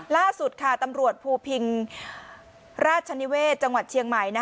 ล่าสุดค่ะตำรวจภูพิงราชนิเวศจังหวัดเชียงใหม่